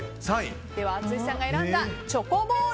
淳さんが選んだチョコボール